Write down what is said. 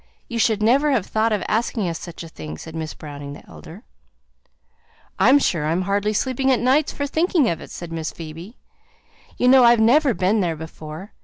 You should never have thought of asking us such a thing," said Miss Browning the elder. "I'm sure I'm hardly sleeping at nights for thinking of it," said Miss Phoebe. "You know I've never been there before.